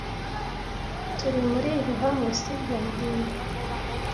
Turi muri ibi hamwe, sibyo mbwira